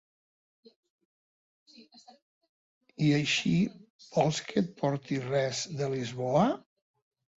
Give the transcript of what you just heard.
I així, vols que et porti res, de Lisboa?